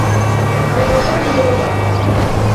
Файҙаһы тейеүе бар.